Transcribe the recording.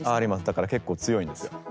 だから結構強いんですよ。